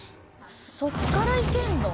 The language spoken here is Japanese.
そこからいけるの？